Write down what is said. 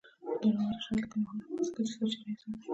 د علامه رشاد لیکنی هنر مهم دی ځکه چې سرچینې څاري.